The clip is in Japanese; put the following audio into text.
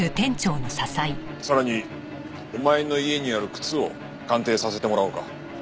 さらにお前の家にある靴を鑑定させてもらおうか。